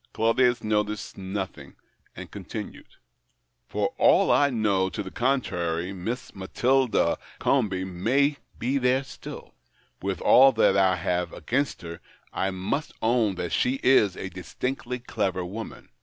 Claudius noticed nothing, and continued —" For all I know to the contrary, Miss Matilda Comby may be there still. AVith all that I have against her, I must own that she is a distinctly clever woman.